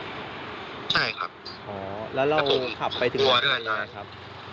ใช่ครับแล้วเราขับไปถึงไหนครับ